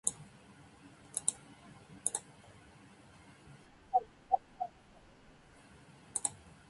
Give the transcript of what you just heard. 言語を学ぶのは楽しい。